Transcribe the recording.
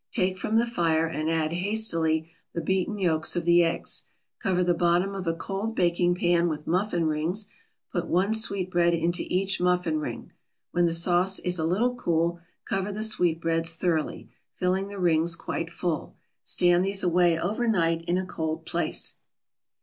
Take from the fire and add hastily the beaten yolks of the eggs. Cover the bottom of a cold baking pan with muffin rings, put one sweetbread into each muffin ring. When the sauce is a little cool, cover the sweetbreads thoroughly, filling the rings quite full. Stand these away over night in a cold place.